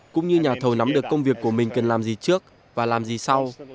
cũng như nhà thầu nắm được công việc của mình cần làm gì trước và làm gì sau